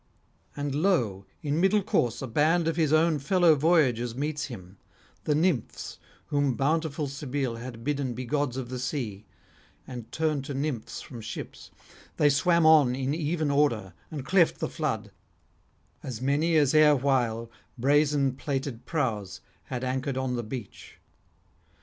And lo, in middle course a band of his own fellow voyagers meets him, the nymphs whom bountiful Cybele had bidden be gods of the sea, and turn to nymphs from ships; they swam on in even order, and cleft the flood, as many as erewhile, brazen plated prows, had anchored on the beach.